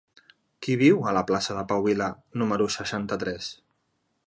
Qui viu a la plaça de Pau Vila número seixanta-tres?